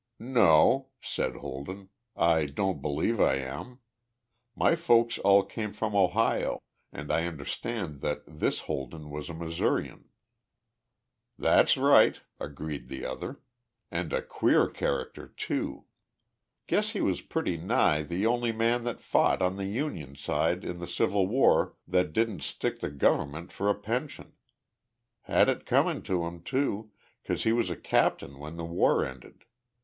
"No," said Holden, "I don't believe I am. My folks all came from Ohio and I understand that this Holden was a Missourian." "That's right," agreed the other, "and a queer character, too. Guess he was pretty nigh the only man that fought on the Union side in the Civil War that didn't stick th' government for a pension. Had it comin' to him, too, 'cause he was a captain when th' war ended.